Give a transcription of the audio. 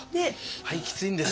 はいきついんです。